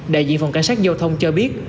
đại diện phòng cảnh sát giao thông cho biết